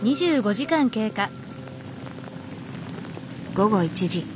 午後１時。